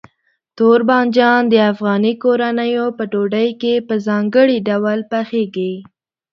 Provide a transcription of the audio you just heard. تور بانجان د افغاني کورنیو په ډوډۍ کې په ځانګړي ډول پخېږي.